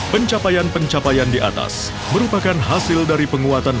pencapaian pencapaian di atas merupakan hasil dari penguatan